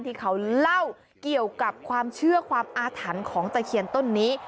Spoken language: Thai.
ที่เขาเล่าเกี่ยวกับความเชื่อความอาถรรพ์ของตะเคียนต้นนี้